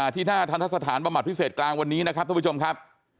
ที่หน้าทันทะสถานบำบัดพิเศษกลางวันนี้นะครับท่านผู้ชมครับ